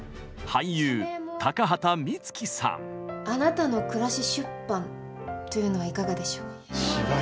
俳優「あなたの暮し出版」というのはいかがでしょう？